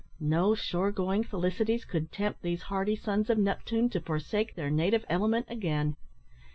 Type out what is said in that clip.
No shore going felicities could tempt these hardy sons of Neptune to forsake their native element again.